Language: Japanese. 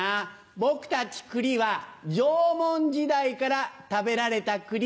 僕たちクリは縄文時代から食べられたクリ。